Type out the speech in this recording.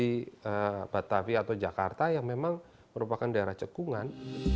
tapi batavi atau jakarta yang memang merupakan daerah cekungan